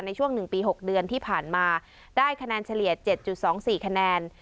ในช่วง๑ปี๖เดือนที่ผ่านมาได้คะแนนเฉลี่ย๗๒๔คะแนน